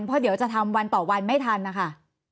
เพราะเดี๋ยวจะทำวันต่อวันไม่ทันนะคะ